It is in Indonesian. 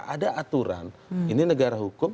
ada aturan ini negara hukum